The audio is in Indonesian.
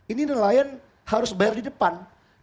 ini nelayan harus bayar di depan